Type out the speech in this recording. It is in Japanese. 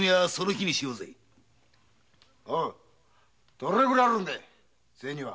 どれぐらいあるんだ銭は？